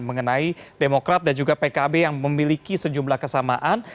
mengenai demokrat dan juga pkb yang memiliki sejumlah kesamaan